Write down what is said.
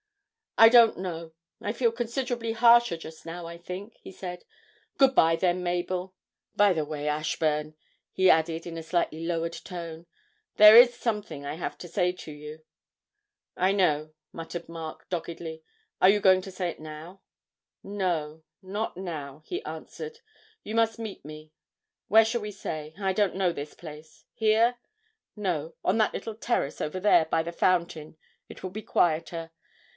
'I don't know. I feel considerably harsher just now, I think,' he said. 'Good bye then, Mabel. By the way, Ashburn,' he added in a slightly lowered tone, 'there is something I have to say to you.' 'I know,' muttered Mark doggedly. 'Are you going to say it now?' 'No, not now,' he answered; 'you must meet me where shall we say? I don't know this place here? No, on that little terrace over there, by the fountain; it will be quieter.